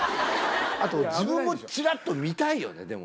あと自分もチラっと見たいよねでも。